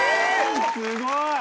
すごい！